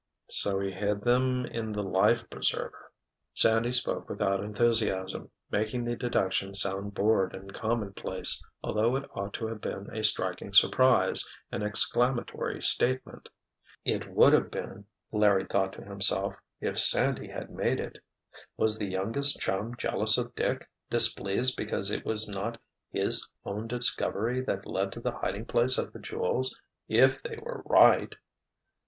"So he hid them in the life preserver." Sandy spoke without enthusiasm, making the deduction sound bored and commonplace, although it ought to have been a striking surprise, an exclamatory statement. It would have been, Larry thought to himself, if Sandy had made it. Was the youngest chum jealous of Dick, displeased because it was not his own discovery that led to the hiding place of the jewels—if they were right?